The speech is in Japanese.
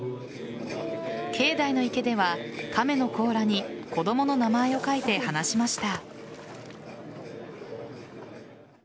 境内の池では亀の甲羅に子供の名前を書いて離しました。